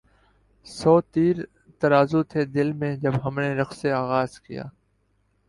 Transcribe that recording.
سو تیر ترازو تھے دل میں جب ہم نے رقص آغاز کیا